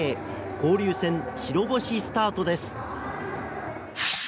交流戦白星スタートです。